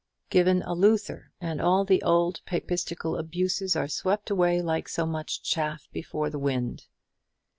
Given a Luther, and all the old papistical abuses are swept away like so much chaff before the wind.